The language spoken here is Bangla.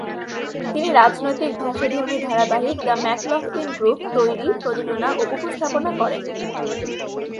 তিনি রাজনৈতিক ভাষ্যধর্মী ধারাবাহিক দ্য ম্যাকলফলিন গ্রুপ তৈরি, প্রযোজনা ও উপস্থাপনা করেন।